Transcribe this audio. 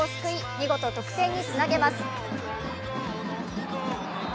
見事、得点につなげます。